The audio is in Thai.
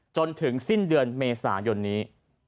จนถึงสิ้นเดือนเมษายนนี้